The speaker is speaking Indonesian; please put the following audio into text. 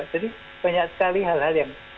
jadi banyak sekali hal hal yang